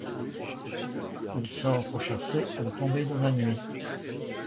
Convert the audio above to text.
Il sort pour chasser à la tombée de la nuit.